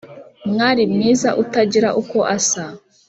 Mwari mwiza utagira uko usa,